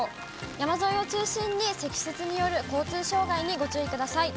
山沿いを中心に積雪による交通障害にご注意ください。